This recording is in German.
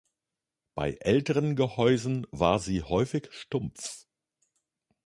Bei älteren Gehäusen war sie häufig stumpf.